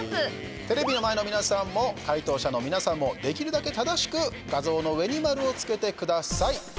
テレビの前の皆さんも解答者の皆さんもできるだけ正しく画像の上に丸をつけてください。